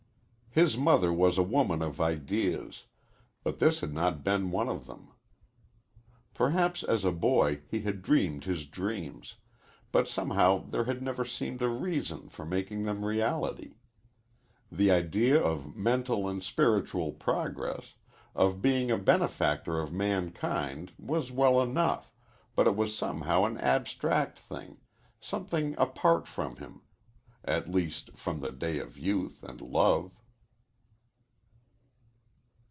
His mother was a woman of ideas, but this had not been one of them. Perhaps as a boy he had dreamed his dreams, but somehow there had never seemed a reason for making them reality. The idea of mental and spiritual progress, of being a benefactor of mankind was well enough, but it was somehow an abstract thing something apart from him at least, from the day of youth and love.